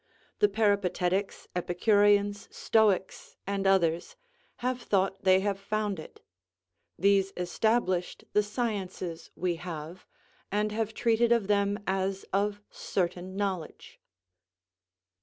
The Peripatetics, Epicureans, Stoics, and others, have thought they have found it. These established the sciences we have, and have treated of them as of certain knowledge.